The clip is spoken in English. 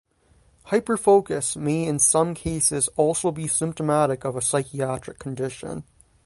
Hyperfocus may in some cases also be symptomatic of a psychiatric condition.